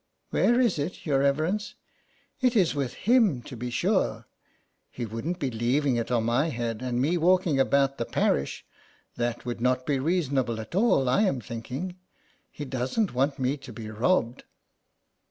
" Where is it, your reverence ? It is with Him, to be sure. He wouldn't be leaving it on my head and me walking about the parish — that would not be reasonable at all, I am thinking. He doesn't want me to be robbed."